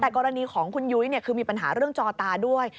แต่กรณีของคุณยุ้ยคือมีปัญหาเรื่องจอตาด้วย